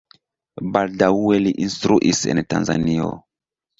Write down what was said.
Baldaŭe li instruis en Tanzanio.